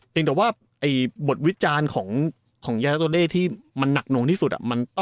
แต่ว่าบทวิจารณ์ของยาโตเล่ที่มันหนักหน่วงที่สุด